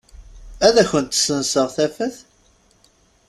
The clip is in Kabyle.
Ad kent-senseɣ tafat?